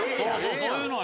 そういうのよ。